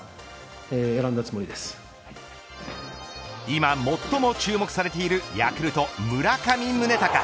今最も注目されているヤクルト村上宗隆。